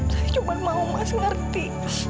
saya cuma mau gak ngerti